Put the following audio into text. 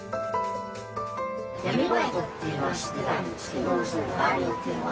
闇バイトっていうのは知ってたんですけど、そういうのがあるっていうのは。